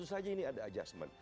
tentu saja ini ada adjustment